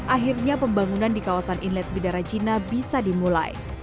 akhirnya pembangunan di kawasan inlet bidara cina bisa dimulai